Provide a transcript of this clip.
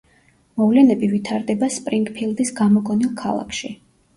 მოვლენები ვითარდება სპრინგფილდის გამოგონილ ქალაქში.